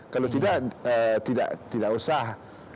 kalau tidak tidak usah